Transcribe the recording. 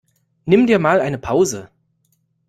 Nimm dir mal eine Pause!